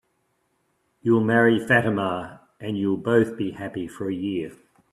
You'll marry Fatima, and you'll both be happy for a year.